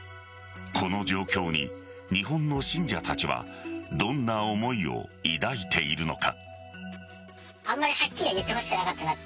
この状況に、日本の信者たちはどんな思いを抱いているのか。